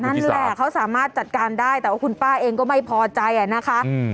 นั่นแหละเขาสามารถจัดการได้แต่ว่าคุณป้าเองก็ไม่พอใจอ่ะนะคะ